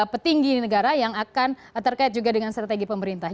petinggi negara yang akan terkait juga dengan strategi pemerintah